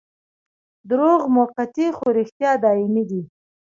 دروغ موقتي خو رښتیا دايمي دي.